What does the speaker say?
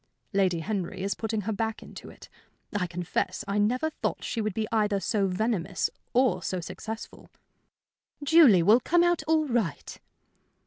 "Lady Henry is putting her back into it. I confess I never thought she would be either so venomous or so successful." "Julie will come out all right."